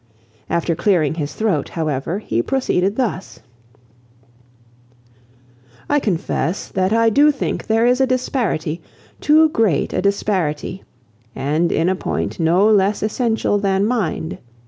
After clearing his throat, however, he proceeded thus— "I confess that I do think there is a disparity, too great a disparity, and in a point no less essential than mind.